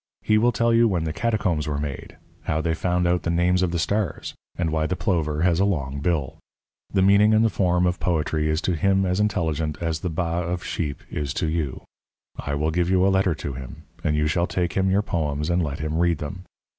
He will tell you when the catacombs were made, how they found out the names of the stars, and why the plover has a long bill. The meaning and the form of poetry is to him as intelligent as the baa of a sheep is to you. I will give you a letter to him, and you shall take him your poems and let him read them.